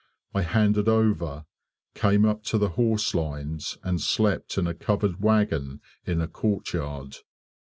I handed over, came up to the horse lines, and slept in a covered wagon in a courtyard.